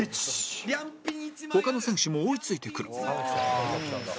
他の選手も追い付いてくる